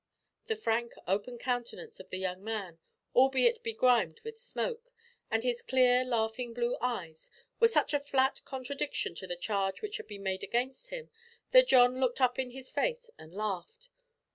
The frank open countenance of the young man albeit begrimed with smoke, and his clear laughing blue eyes, were such a flat contradiction to the charge which had been made against him that John looked up in his face and laughed.